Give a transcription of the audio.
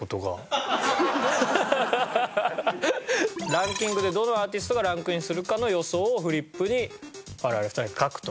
ランキングでどのアーティストがランクインするかの予想をフリップに我々２人が書くと。